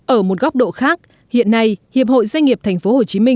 ở một góc độ khác hiện nay hiệp hội doanh nghiệp tp hcm